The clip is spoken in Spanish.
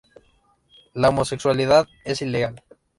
La homosexualidad es ilegal.